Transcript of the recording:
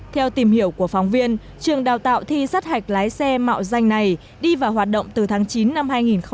theo tìm hiểu của phóng viên trường đào tạo thi sát hạch lái xe mạo danh này đi vào hoạt động từ tháng chín năm hai nghìn một mươi chín